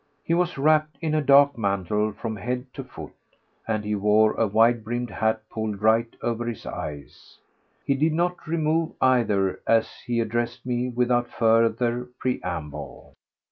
He was wrapped in a dark mantle from head to foot, and he wore a wide brimmed hat pulled right over his eyes. He did not remove either as he addressed me without further preamble.